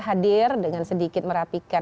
hadir dengan sedikit merapikan